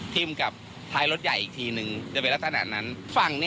ทิ้งกับท้ายรถใหญ่อีกทีหนึ่งจะเป็นลักษณะนั้น